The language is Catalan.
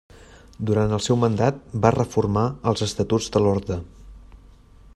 Durant el seu mandat va reformar els estatuts de l'orde.